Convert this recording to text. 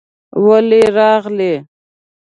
ولې راغلې؟